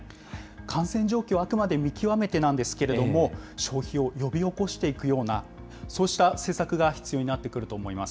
感染状況、あくまで見極めてなんですけれども、消費を呼び起こしていくような、そうした政策が必要になってくると思います。